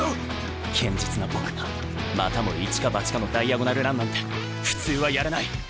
堅実な僕がまたも一か八かのダイアゴナル・ランなんて普通はやらない。